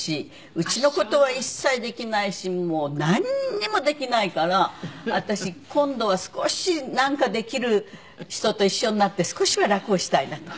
家の事は一切できないしもうなんにもできないから私今度は少しなんかできる人と一緒になって少しは楽をしたいなと。